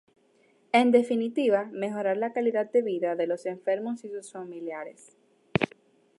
En definitiva, mejorar la calidad de vida de los enfermos y sus familiares.